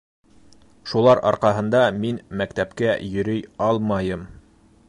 Шулар арҡаһында мин мәктәпкә йөрөй алмайым!